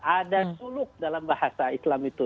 ada suluk dalam bahasa islam itu